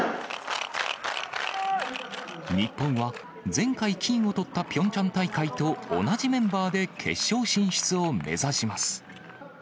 日本は前回金をとったピョンチャン大会と同じメンバーで、決勝進出を目指します。